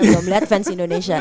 belum lihat fans indonesia